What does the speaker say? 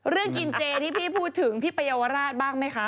เรื่องกินเจ๊ที่พี่พูดถึงที่ประยาวราชบ้างไหมคะ